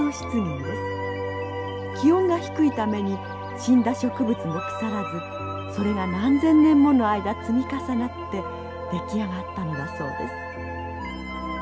気温が低いために死んだ植物も腐らずそれが何千年もの間積み重なって出来上がったのだそうです。